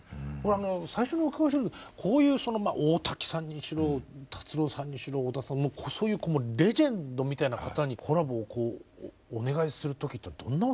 最初にお伺いしたいのはこういうその大滝さんにしろ達郎さんにしろ小田さんそういうレジェンドみたいな方にコラボをお願いする時ってどんなお気持ちなんですか？